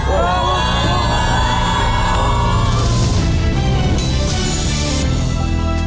โอ้โหโอ้โหโอ้โห